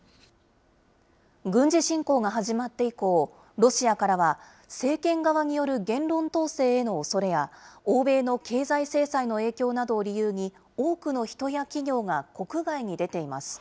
軍事侵攻が始まって以降、ロシアからは、政権側による言論統制へのおそれや、欧米の経済制裁の影響などを理由に、多くの人や企業が国外に出ています。